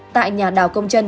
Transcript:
tại nhà đào công trân